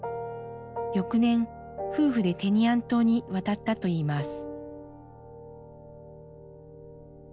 翌年夫婦でテニアン島に渡ったといいます。